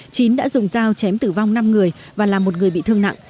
chín đã dùng dao chém tử vong năm người và là một người bị thương nặng